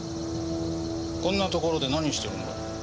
こんなところで何してるんだ？